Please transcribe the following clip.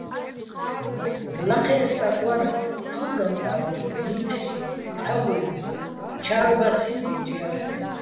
ლაჴეჼ სტაკ ვარ, თურ გამგა́რჯუჼ, ნიფსიჼ, თაგუჲნი̆, ჩა́ლბასიჼ ბეჯ ჲაშ.